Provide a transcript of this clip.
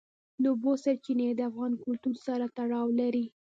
د اوبو سرچینې د افغان کلتور سره تړاو لري.